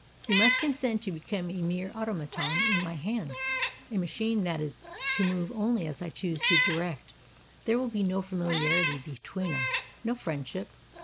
You must consent to become a mere automaton in my hands—a machine that is to move only as I choose to direct. There will be no familiarity between us—no friendship.